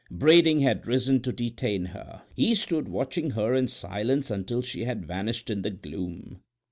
Brading had risen to detain her; he stood watching her in silence until she had vanished in the gloom.